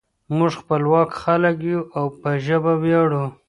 موږ خپلواک خلک یو او په ژبه ویاړو.